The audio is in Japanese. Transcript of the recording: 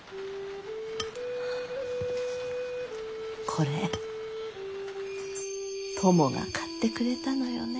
これトモが買ってくれたのよね。